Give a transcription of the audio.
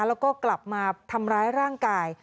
แล้วก็กลับมาทำร้ายร่างกาย